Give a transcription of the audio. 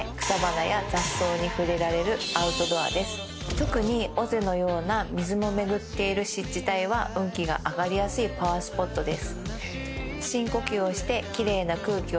特に尾瀬のような水も巡っている湿地帯は運気が上がりやすいパワースポットです。